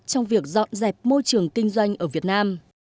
trong việc dọn dẹp môi trường kinh doanh ở việt nam